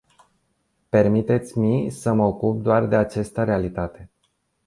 Permiteți-mi să mă ocup doar de această realitate.